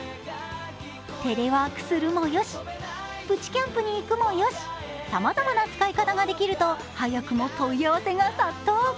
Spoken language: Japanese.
テレワークするもよし、プチキャンプに行くもよし、さまざまな使い方ができると早くも問い合わせが殺到。